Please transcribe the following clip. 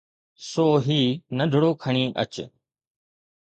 سو هي ننڍڙو کڻي اچ.